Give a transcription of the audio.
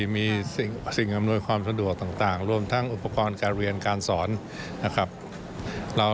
มีสิ่งอำนวยความสะดวกต่างรวมทั้งอุปกรณ์การเรียนการสอนนะครับ